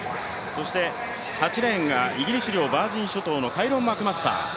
そして８レーンがイギリス領バージン諸島のカイロン・マクマスター。